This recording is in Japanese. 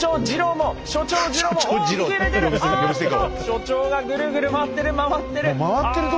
所長がぐるぐる回ってる回ってる。